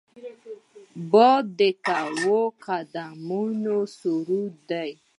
باد د ورکو قدمونو سرود دی